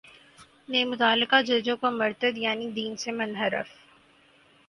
نے متعلقہ ججوں کو مرتد یعنی دین سے منحرف